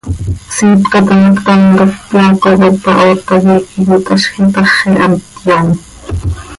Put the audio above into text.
Siipca taa ma, ctam cap yaaco cop ahoot hac iiqui cöitaazj itaxi, hant yoom.